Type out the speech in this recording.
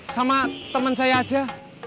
sama temen saya aja